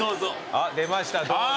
出ましたどうぞ。